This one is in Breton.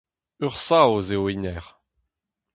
Ur Saoz eo hennezh.